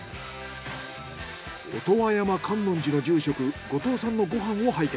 音羽山観音寺の住職後藤さんのご飯を拝見。